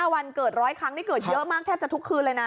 วันเกิด๑๐๐ครั้งนี่เกิดเยอะมากแทบจะทุกคืนเลยนะ